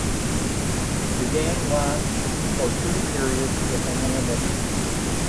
The game lasts for two periods with an intermission.